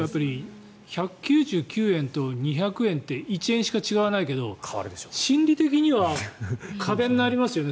１９９円と２００円って１円しか違わないけど心理的には壁になりますよね